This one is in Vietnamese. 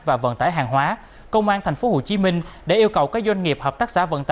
và vận tải hàng hóa công an tp hcm đã yêu cầu các doanh nghiệp hợp tác xã vận tải